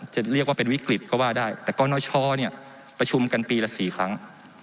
จะเรียกว่าเป็นวิกฤตก็ว่าได้แต่กรณชอเนี่ยประชุมกันปีละ๔ครั้ง